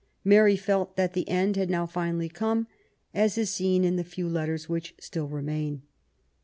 Mary felt that the end had now really come, as is seen in the few letters which still remain.